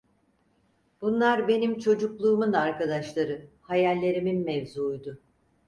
Bunlar benim çocukluğumun arkadaşları, hayallerimin mevzuuydu.